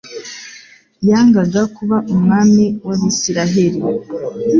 yangaga kuba Umwami w'abisiraheli.